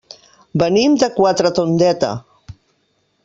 Venim de Quatretondeta.